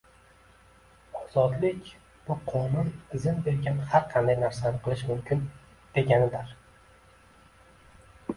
Ozodlik, bu qonun izn bergan har qanday narsani qilish mumkin, deganidir.